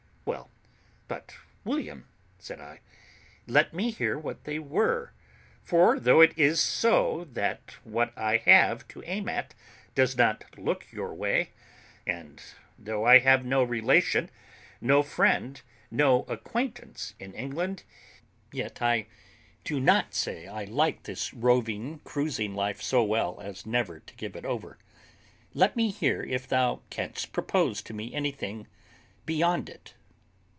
"Well, but, William," said I, "let me hear what they were; for though it is so that what I have to aim at does not look your way, and though I have no relation, no friend, no acquaintance in England, yet I do not say I like this roving, cruising life so well as never to give it over. Let me hear if thou canst propose to me anything beyond it."